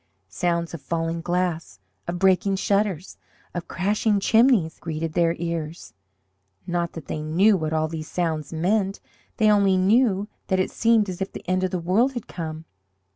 Sounds of falling glass, of breaking shutters, of crashing chimneys greeted their ears not that they knew what all these sounds meant. They only knew that it seemed as if the end of the world had come.